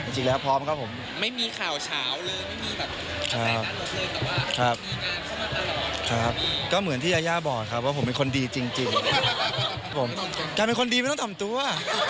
จริงพี่ซันนี่เขาบอกว่าเป็นคนดีจริงแต่ฉันดูหน้าแล้วไม่ไหวอ่ะ